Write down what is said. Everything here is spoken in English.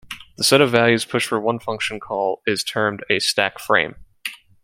The set of values pushed for one function call is termed a "stack frame".